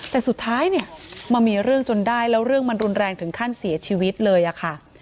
แต่สุดท้ายเนี่ยมามีเรื่องจนได้แล้วเรื่องมันรุนแรงถึงขั้นเสียชีวิตเลยอะค่ะ